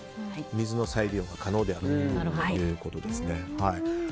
水の再利用も可能であるということですね。